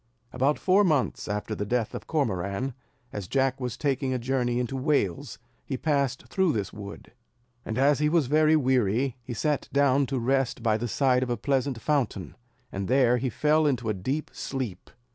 About four months after the death of Cormoran, as Jack was taking a journey into Wales, he passed through this wood; and as he was very weary, he sat down to rest by the side of a pleasant fountain, and there he fell into a deep sleep.